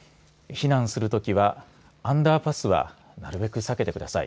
避難するときはアンダーパスはなるべく避けてください。